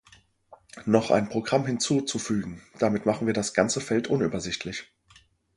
Noch ein Programm hinzuzufügen, damit machen wir das ganze Feld unübersichtlich.